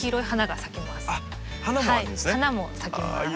花も咲きます。